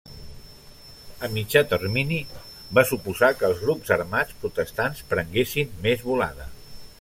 A mitjà termini, va suposar que els grups armats protestants prenguessin més volada.